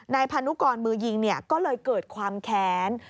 พานุกรมือยิงก็เลยเกิดความแค้น